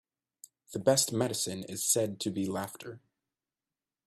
The best medicine is said to be laughter.